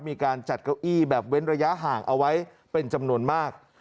มีการจัดเก้าอี้แบบเว้นระยะห่างเอาไว้เป็นจำนวนมาก